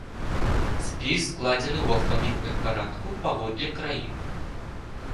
Спіс складзены ў алфавітным парадку паводле краін.